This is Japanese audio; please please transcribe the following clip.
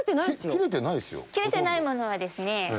切れてないものはですね